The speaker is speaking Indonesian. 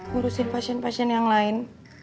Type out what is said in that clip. ngurusin pasien pasien yang lain